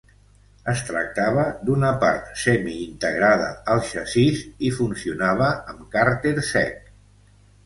Es tractava d'una part semiintegrada al xassís, i funcionava amb càrter sec.